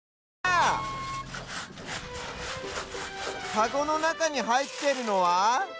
カゴのなかにはいってるのは？